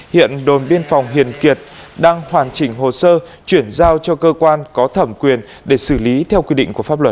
hiện đồn biên phòng hiền kiệt đang hoàn chỉnh hồ sơ chuyển giao cho cơ quan có thẩm quyền để xử lý theo quy định của pháp luật